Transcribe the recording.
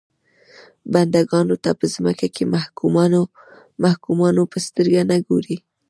بنده ګانو ته په ځمکه کې محکومانو په سترګه نه ګوري.